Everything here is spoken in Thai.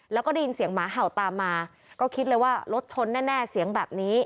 แล้วก็ได้ยินเสียงหมาเห่าตามมาก็คิดเลยว่ารถชนแน่เสียงแบบนี้